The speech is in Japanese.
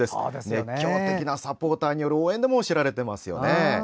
熱狂的なサポーターによる応援でも知られています。